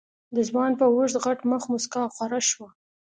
د ځوان په اوږد غټ مخ موسکا خوره شوه.